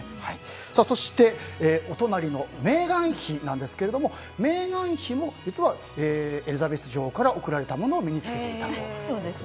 そして、お隣のメーガン妃なんですけれどもメーガン妃も実はエリザベス女王から贈られたものを身に着けていたと。